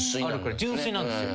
純粋なんですよ。